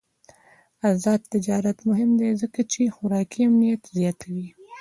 آزاد تجارت مهم دی ځکه چې خوراکي امنیت زیاتوي.